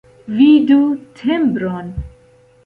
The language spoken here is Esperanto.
Vidu tembron.